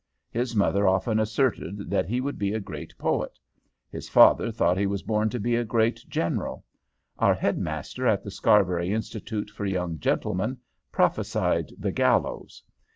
His mother often asserted that he would be a great poet; his father thought he was born to be a great general; our head master at the Scarberry Institute for Young Gentlemen prophesied the gallows.